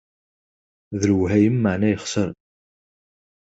D lwehayem, meεna yexser.